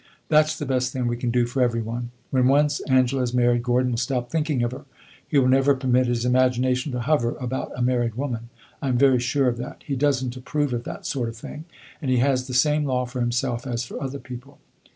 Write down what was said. "That 's the best thing we can do for every one. When once Angela is married, Gordon will stop thinking of her. He will never permit his imagination to hover about a married woman; I am very sure of that. He does n't approve of that sort of thing, and he has the same law for himself as for other people."